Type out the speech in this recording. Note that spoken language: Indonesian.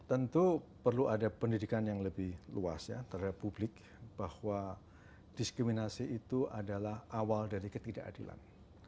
tentu perlu ada pendidikan yang lebih luas ya terhadap publik bahwa diskriminasi itu adalah awal dari ketidakadilan